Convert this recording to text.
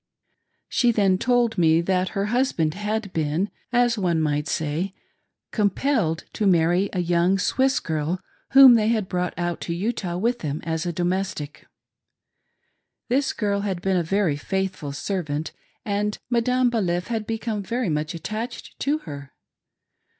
She then told mc that her husband had been, as one might say, compelled to marry a young Swiss girl whom they had brought out to Utah with iJiem as a domestic This girl had 408 SOME RATHER COOL " COUNSEL !" been a very faithful servant and Madame BaliflE had become very much attached to her.